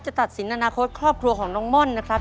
ตัดสินอนาคตครอบครัวของน้องม่อนนะครับ